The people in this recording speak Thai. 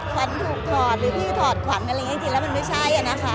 ขวัญถูกถอดหรือพี่ถอดขวัญแล้วมันไม่ใช่